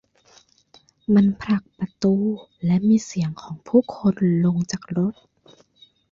มันผลักประตู และมีเสียงของผู้คนลงจากรถ